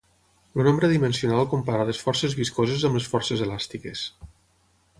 El nombre adimensional compara les forces viscoses amb les forces elàstiques.